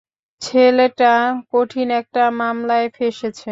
ছেলেটা কঠিন একটা মামলায় ফেঁসেছে।